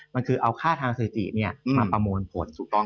มันคือเอาค่าทางสถิติมาประมวลผล